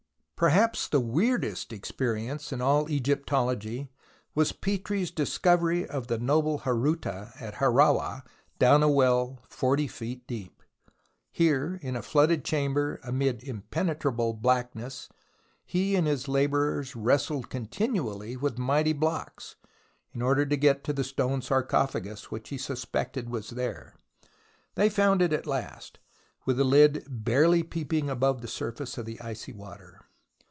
Perhaps the weirdest experience in all Egyptology was Petrie's discovery of the noble Horuta at Hawara down a well 40 feet deep. Here in a flooded chamber, amid impenetrable blackness, he and his labourers wrestled continually with mighty blocks, in order to get to the stone sarcophagus which he 96 THE ROMANCE OF EXCAVATION suspected was there. They found it at last, with the lid barely peeping above the surface of the icy water.